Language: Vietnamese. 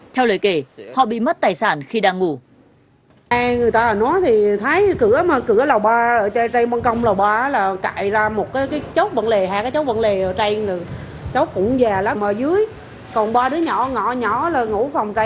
theo lời kể họ bị mất tài sản khi đang ngủ